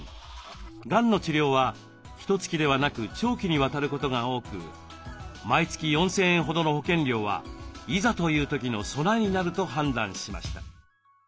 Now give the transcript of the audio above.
がんの治療はひとつきではなく長期にわたることが多く毎月４，０００円ほどの保険料はいざという時の備えになると判断しました。